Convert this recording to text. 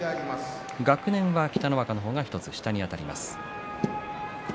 学年は北の若の方が１つ下になります。